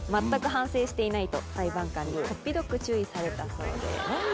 全く反省していないと裁判官にこっぴどく注意されたそうです。